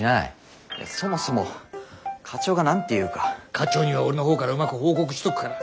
課長には俺のほうからうまく報告しておくから。